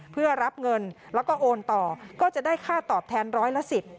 เพื่อรับเงินแล้วก็โอนต่อก็จะได้ค่าตอบแทนร้อยละ๑๐